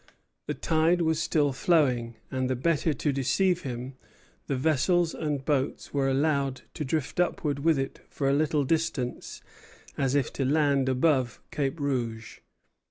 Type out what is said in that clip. The tide was still flowing; and, the better to deceive him, the vessels and boats were allowed to drift upward with it for a little distance, as if to land above Cap Rouge.